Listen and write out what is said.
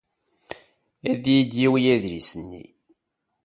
Ad yi-d-yawi adlis-nni.